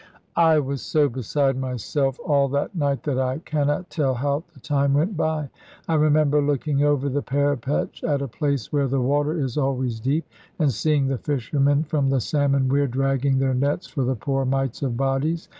"I was so beside myself all that night that I cannot tell how the time went by. I remember looking over the parapetch at a place where the water is always deep, and seeing the fishermen from the salmon weir dragging their nets for the poor mites of bodies.